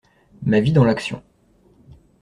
Ma vie dans l'action